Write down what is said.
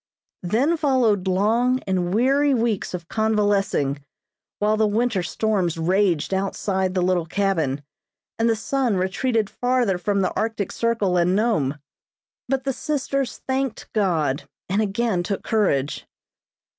Then followed long and weary weeks of convalescing, while the winter storms raged outside the little cabin, and the sun retreated farther from the Arctic Circle and Nome, but the sisters thanked God, and again took courage.